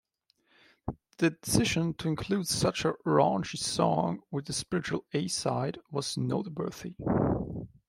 The decision to include such a raunchy song with the spiritual A-side was noteworthy.